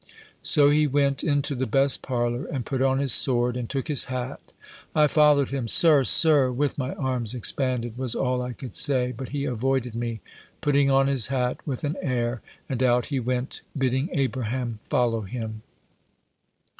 So he went into the best parlour, and put on his sword, and took his hat. I followed him "Sir, Sir!" with my arms expanded, was all I could say; but he avoided me, putting on his hat with an air; and out he went, bidding Abraham follow him.